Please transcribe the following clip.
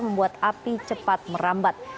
membuat api cepat merambat